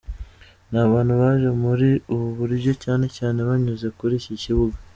Ni abantu baje muri ubu buryo cyane cyane banyuze kuri iki kibuga.